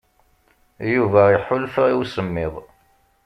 Yuba iḥulfa i usemmid.